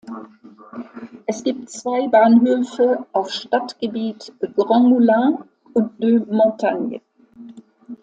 Es gibt zwei Bahnhöfe auf Stadtgebiet, Grand-Moulin und Deux-Montagnes.